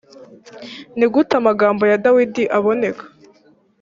ni gute amagambo ya dawidi aboneka